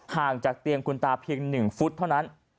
ห่างจากเตียงคุณตาเพียง๑ฟุตเท่านั้น